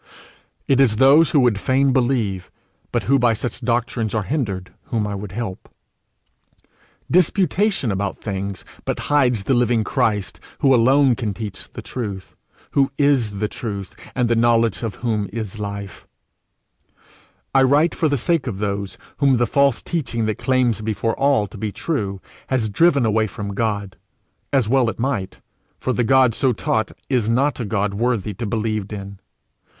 It is those who would fain believe, but who by such doctrines are hindered, whom I would help. Disputation about things but hides the living Christ who alone can teach the truth, who is the truth, and the knowledge of whom is life; I write for the sake of those whom the false teaching that claims before all to be true has driven away from God as well it might, for the God so taught is not a God worthy to be believed in.